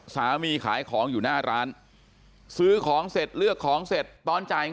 สามีขายของอยู่หน้าร้านซื้อของเสร็จเลือกของเสร็จ